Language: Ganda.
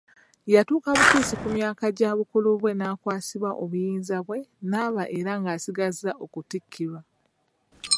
Yatuuka butuusi ku myaka gya bukulu bwe n'akwasibwa obuyinza bwe, n'aba era ng'akyasigazza okutikkirwa.